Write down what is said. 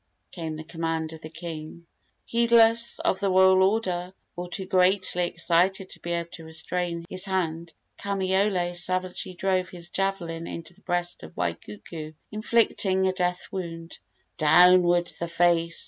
came the command of the king. Heedless of the royal order, or too greatly excited to be able to restrain his hand, Kamaiole savagely drove his javelin into the breast of Waikuku, inflicting a death wound. "Downward the face!"